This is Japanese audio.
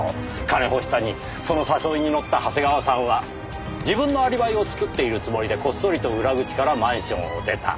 金欲しさにその誘いに乗った長谷川さんは自分のアリバイを作っているつもりでこっそりと裏口からマンションを出た。